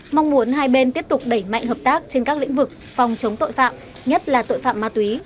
mong muốn hai bên tiếp tục đẩy mạnh hợp tác trên các lĩnh vực phòng chống tội phạm nhất là tội phạm ma túy